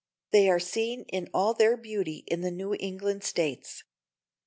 They are seen in all their beauty in the New England States.